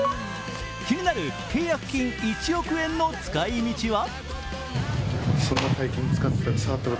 気になる契約金１億円の使い道は？